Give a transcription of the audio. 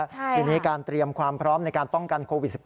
ทีนี้การเตรียมความพร้อมในการป้องกันโควิด๑๙